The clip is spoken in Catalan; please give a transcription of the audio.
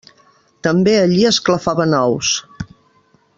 També allí esclafaven ous.